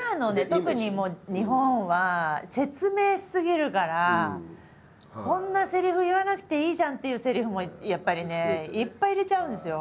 特に日本は説明し過ぎるからこんなセリフ言わなくていいじゃんっていうセリフもやっぱりねいっぱい入れちゃうんですよ。